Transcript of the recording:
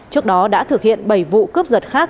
trước đó đã thực hiện bảy vụ cướp giật khác